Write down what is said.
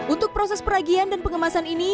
untuk proses peragian dan pengemasan ini